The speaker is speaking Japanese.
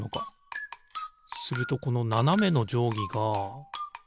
するとこのななめのじょうぎが。